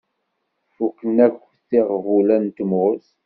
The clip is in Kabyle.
Fuken akk tiɣbula n tmurt.